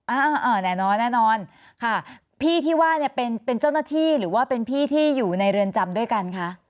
อ่าแน่นอนแน่นอนค่ะพี่ที่ว่าเนี่ยเป็นเป็นเจ้าหน้าที่หรือว่าเป็นพี่ที่อยู่ในเรือนจำด้วยกันคะ